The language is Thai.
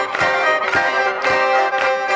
สวัสดีครับ